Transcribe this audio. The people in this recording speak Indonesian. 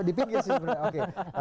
di pinggir sih sebenarnya